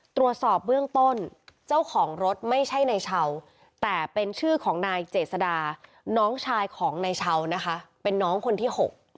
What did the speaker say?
ตรวจสอบเบื้องต้นเจ้าของรถไม่ใช่นายเช่าแต่เป็นชื่อของนายเจษดาน้องชายของนายชาวนะคะเป็นน้องคนที่๖